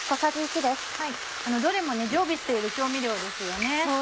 どれも常備している調味料ですよね。